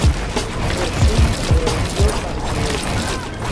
Por fin, valoracións de residencia.